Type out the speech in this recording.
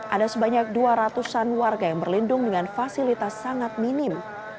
ada sebanyak dua ratus an warga yang berlindung dengan fasilitas sangat minim